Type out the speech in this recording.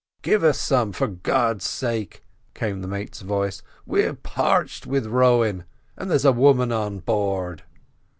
"Give us some, for God's sake!" came the mate's voice; "we're parched with rowing, and there's a woman on board."